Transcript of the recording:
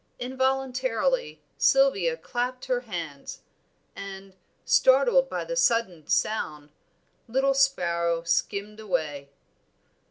Involuntarily Sylvia clapped her hands, and, startled by the sudden sound, little sparrow skimmed away.